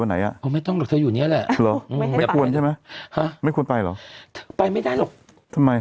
เป็นเป้าวานใช่